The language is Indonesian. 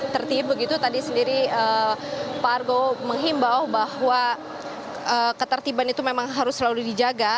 tertib begitu tadi sendiri pak argo menghimbau bahwa ketertiban itu memang harus selalu dijaga